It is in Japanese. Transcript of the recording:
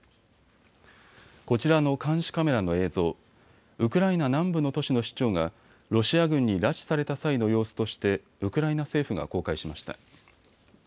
こちらの監視カメラの映像、ウクライナ南部の都市の市長がロシア軍に拉致された際の様子としてウクライナ政府が公開しました。